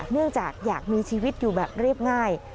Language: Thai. เนื่องจากอยากมีชีวิตอยู่แบบเรียบง่าย